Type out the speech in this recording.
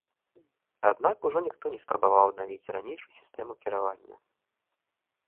Аднак ужо ніхто не спрабаваў аднавіць ранейшую сістэму кіравання.